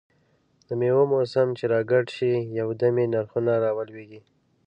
دمېوو موسم چې را ګډ شي، یو دم یې نرخونه را ولوېږي.